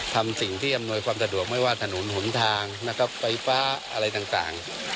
ทำสิ่งที่อำนวยความสะดวกไม่ว่าถนนหนทางนะครับไฟฟ้าอะไรต่าง